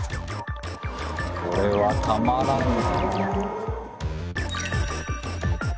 これはたまらんな。